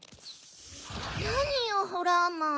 なによホラーマン。